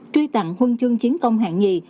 truy tặng huân chương chiến công hạng nhị